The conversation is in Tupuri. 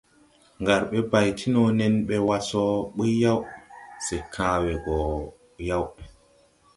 Ngar ɓɛ bay ti no nen ɓɛ wa so buy yaw, se kãã we gɔ yaw.